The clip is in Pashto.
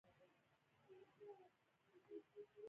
د افغانستان چپنې مشهورې دي